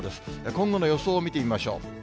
今後の予想を見てみましょう。